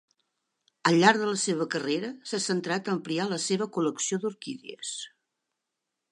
Al llarg de la seva carrera, s'ha centrat a ampliar la seva col·lecció d'orquídies.